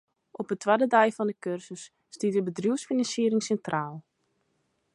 Op 'e twadde dei fan 'e kursus stiet de bedriuwsfinansiering sintraal.